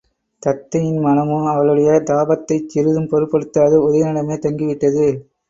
தத்தையின் மனமோ அவளுடைய தாபத்தைச் சிறிதும் பொருட்படுத்தாது உதயணனிடமே தங்கிவிட்டது.